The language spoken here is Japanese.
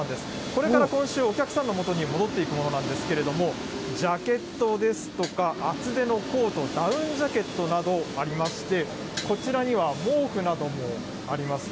これからお客さんのもとに戻っていくものなんですけれども、ジャケットですとか、厚手のコート、ダウンジャケットなどありまして、こちらには毛布などもあります。